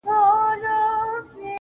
کومه هغه ورځ به وي چې ووينمه ښار ستا